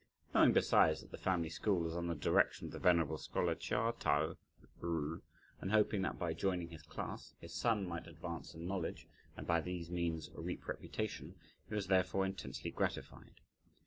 Knowing besides that the family school was under the direction of the venerable scholar Chia Tai ju, and hoping that by joining his class, (his son) might advance in knowledge and by these means reap reputation, he was therefore intensely gratified.